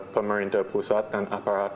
pemerintah pusat dan aparat